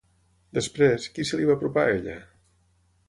Després, qui se li va apropar a ella?